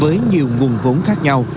với nhiều nguồn vốn khác nhau